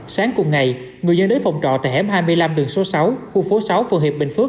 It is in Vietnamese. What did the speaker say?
sáng cùng ngày người dân đến phòng trọ tại hẻm hai mươi năm đường số sáu khu phố sáu phường hiệp bình phước